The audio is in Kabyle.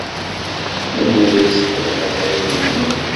Anwa isefḍen afaylu-nni?